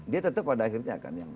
dia tetap pada akhirnya akan yang